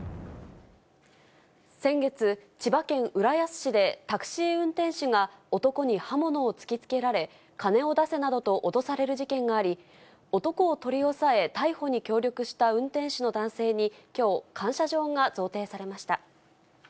先月、千葉県浦安市でタクシー運転手が男に刃物を突きつけられ、金を出せなどと脅される事件があり、男を取り押さえ、逮捕に協力した運転手の男性にきょう、感謝状が贈呈されました。